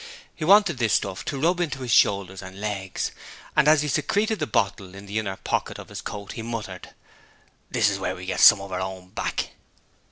He wanted this stuff to rub into his shoulders and legs, and as he secreted the bottle in the inner pocket of his coat, he muttered: 'This is where we gets some of our own back.'